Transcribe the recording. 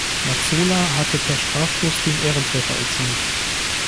Mazzola hatte per Strafstoß den Ehrentreffer erzielt.